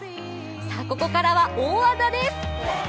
ここからは大技です。